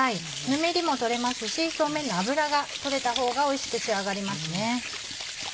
ぬめりも取れますし表面の油が取れたほうがおいしく仕上がります。